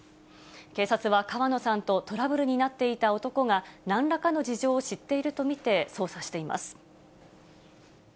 警察は川野さんとトラブルになっていた男が、なんらかの事情を知っていると見て捜査しています。